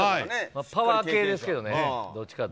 パワー系ですけどねどっちかというと。